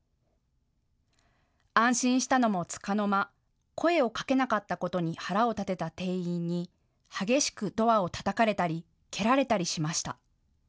安心したのもつかの間、声をかけなかったことに腹を立てた店員に激しくドアをたたかれたり蹴られたりしました。